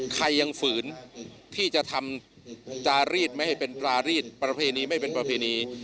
ใครยังฝืนที่จะทำจารีดไม่ให้เป็นตรารีดประเพณีไม่เป็นประเพณี